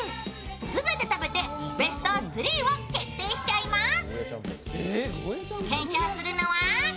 全て食べてベスト３を決定しちゃいます。